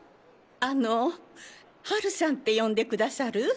あの「ハルさん」って呼んでくださる？